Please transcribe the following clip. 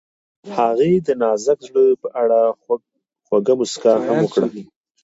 هغې د نازک زړه په اړه خوږه موسکا هم وکړه.